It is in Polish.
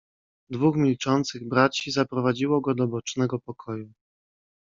"Dwóch milczących braci zaprowadziło go do bocznego pokoju."